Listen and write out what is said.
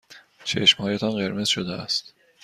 چشمهایتان قرمز شده است.